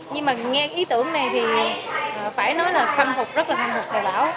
nhưng mà nghe ý tưởng này thì phải nói là phân phục rất là phân phục thầy bảo